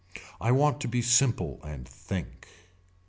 I want to be simple and think.